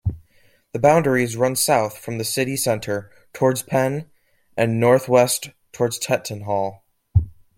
The boundaries run south from the city centre towards Penn and north-west towards Tettenhall.